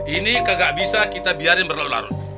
ini kagak bisa kita biarin berlalu larut